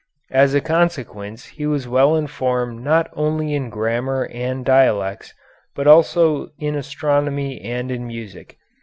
As a consequence he was well informed not only in grammar and dialectics, but also in astronomy and in music.